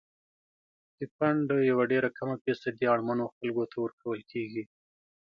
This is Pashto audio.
د فنډ یوه ډیره کمه فیصدي اړمنو خلکو ته ورکول کیږي.